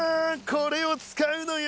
これを使うのよ。